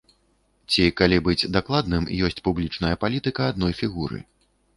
Ці, калі быць дакладным, ёсць публічная палітыка адной фігуры.